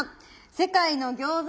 世界の餃子。